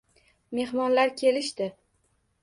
Mehmonlar kelishdi.